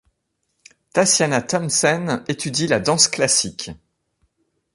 Tatiana Thumbtzen étudie la danse classique.